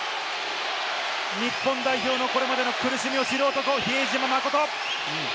日本代表のこれまでの苦しみを知る男、比江島慎。